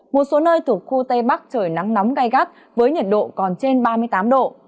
một số nơi thuộc khu tây bắc trời nắng nóng gai gắt với nhiệt độ còn trên ba mươi tám độ